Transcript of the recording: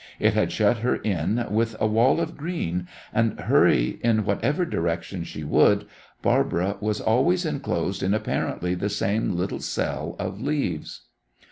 It had shut her in with a wall of green, and hurry in whatever direction she would, Barbara was always inclosed in apparently the same little cell of leaves.